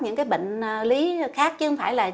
những cái bệnh lý khác chứ không phải là